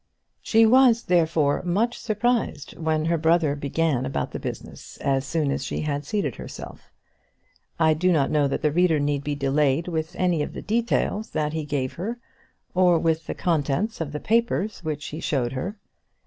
She was, therefore, much surprised when her brother began about the business as soon as she had seated herself. I do not know that the reader need be delayed with any of the details that he gave her, or with the contents of the papers which he showed her.